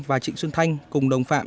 và trịnh xuân thanh cùng đồng phạm